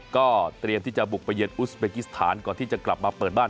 ก็เตรียมที่จะบุกไปเยือนอุสเบกิสถานก่อนที่จะกลับมาเปิดบ้าน